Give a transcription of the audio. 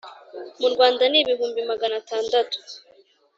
mu Rwanda ni ibihumbi magana atandatu